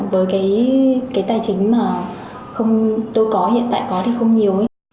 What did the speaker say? với cái tài chính mà tôi có hiện tại có thì không nhiều